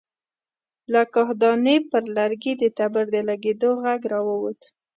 له کاهدانې پر لرګي د تبر د لګېدو غږ را ووت.